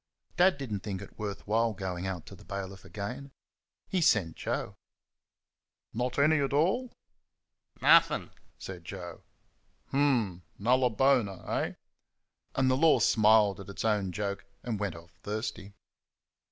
Dad did n't think it worth while going out to the bailiff again. He sent Joe. "Not any at all?" "Nothink," said Joe. "H'm! Nulla bona, eh?" And the Law smiled at its own joke and went off thirsty.